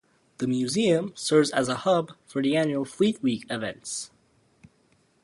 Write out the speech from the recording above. The museum serves as a hub for the annual Fleet Week events.